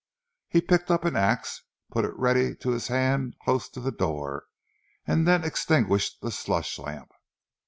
He picked up an ax, put it ready to his hand close to the door and then extinguished the slush lamp.